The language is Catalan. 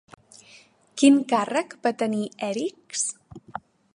Quin càrrec va tenir Èrix?